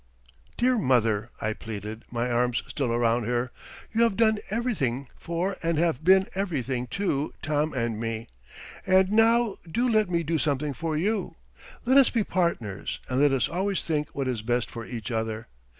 "Dear Mother," I pleaded, my arms still around her, "you have done everything for and have been everything to Tom and me, and now do let me do something for you; let us be partners and let us always think what is best for each other.